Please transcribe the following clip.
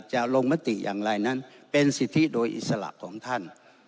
ลงมติอย่างไรนั้นเป็นสิทธิโดยอิสระของท่าน